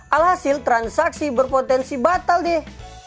alhasil transaksi berpotensi batal deh